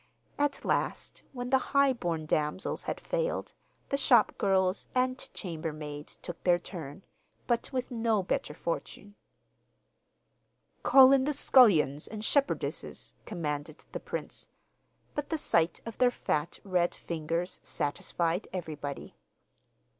At last, when the high born damsels had failed, the shopgirls and chambermaids took their turn; but with no better fortune. 'Call in the scullions and shepherdesses,' commanded the prince; but the sight of their fat, red fingers satisfied everybody.